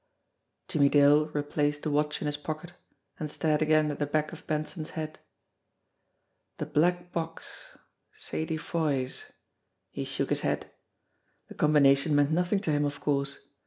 Jimmie Dale replaced the watch in his pocket and stared again at the back of Benson's head. The black box! Sadie Foy's ! He shook his head. The combination meant nothing to him, of course.